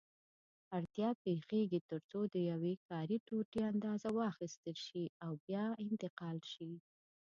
اړتیا پېښېږي ترڅو د یوې کاري ټوټې اندازه واخیستل شي او بیا انتقال شي.